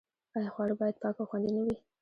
آیا خواړه باید پاک او خوندي نه وي؟